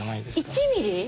１ｍｍ！